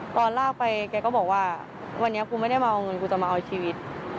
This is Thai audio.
ลากไปแกก็บอกว่าวันนี้กูไม่ได้มาเอาเงินกูจะมาเอาชีวิต